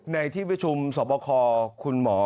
ในที่ประชุมสอบคอคุณหมอ